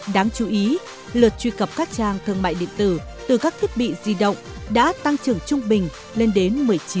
đáng chú ý lượt truy cập các trang thương mại điện tử từ các thiết bị di động đã tăng trưởng trung bình lên đến một mươi chín